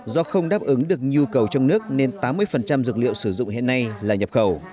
do không đáp ứng được nhu cầu trong nước nên tám mươi dược liệu sử dụng hiện nay là nhập khẩu